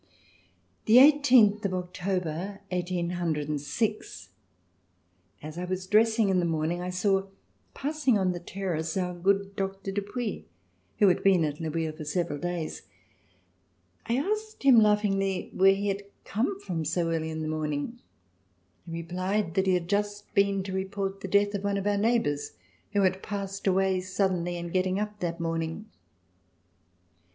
C323 ] RECOLLECTIONS OF THE REVOLUTION The eighteenth of October, 1806, as I was dressing in the morning, I saw passing on the terrace our good doctor Dupouy, who had been at Le Bouilh for several days. I asked him laughingly where he had come from so early in the morning. He replied that he had just been to report the death of one of our neighbors who had passed away suddenly in getting up that morning.